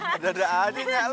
ada ada adiknya lu